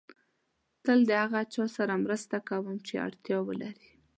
تل د هغه چا سره مرسته کوم چې اړتیا ولري.